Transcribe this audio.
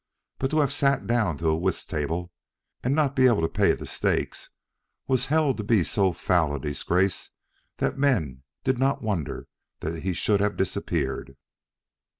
But to have sat down to a whist table and not be able to pay the stakes was held to be so foul a disgrace that men did not wonder that he should have disappeared.